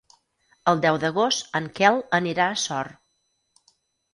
El deu d'agost en Quel anirà a Sort.